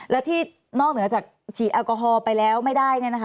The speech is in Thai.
แล้วที่นอกเหนือจากฉีดแอลกอฮอล์ไปแล้วไม่ได้